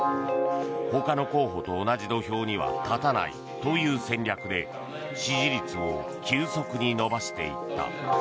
他の候補と同じ土俵には立たないという戦略で支持率を急速に伸ばしていった。